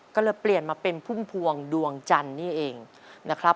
ก็เลยเปลี่ยนมาเป็นพุ่มพวงดวงจันทร์นี่เองนะครับ